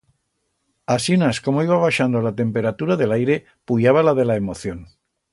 Asinas como iba baixando la temperatura de l'aire, puyaba la de la emoción.